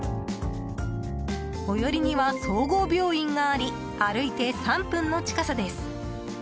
最寄りには総合病院があり歩いて３分の近さです。